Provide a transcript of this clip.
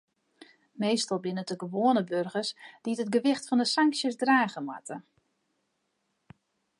Meastal binne it de gewoane boargers dy't it gewicht fan de sanksjes drage moatte.